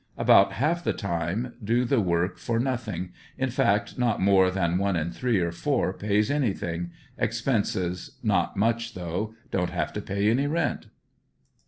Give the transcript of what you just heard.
About half the time do the work for nothing, in fact not more than one in three or four pays anything — expenses not much though, don't have to pay any rent.